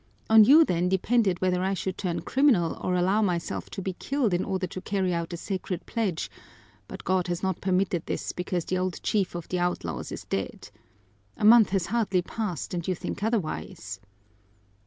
On you then depended whether I should turn criminal or allow myself to be killed in order to carry out a sacred pledge, but God has not permitted this because the old chief of the outlaws is dead. A month has hardly passed and you think otherwise."